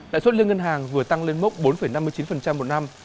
lãi suất liên ngân hàng vừa tăng lên mốc bốn năm mươi chín một năm